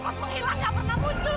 mas menghilang gak pernah muncul